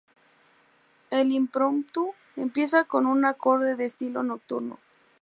El Impromptu empieza con un acorde de estilo nocturno.